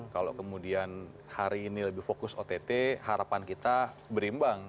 kalau kemudian hari ini lebih fokus ott harapan kita berimbang